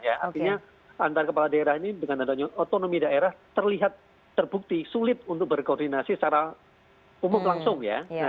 artinya antar kepala daerah ini dengan adanya otonomi daerah terlihat terbukti sulit untuk berkoordinasi secara umum langsung ya